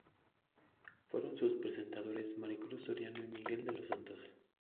Fueron sus presentadores Mari Cruz Soriano y Miguel de los Santos.